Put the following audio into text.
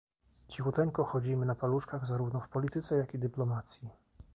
Cichuteńko chodzimy na paluszkach, zarówno w polityce, jak i w dyplomacji